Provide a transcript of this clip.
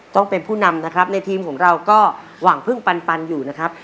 ต้องเป็นผู้นำนะครับในทีมของเราก็หวังพึ่งปันอยู่นะครับ